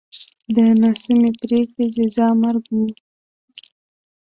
د ناسمې پرېکړې جزا مرګ و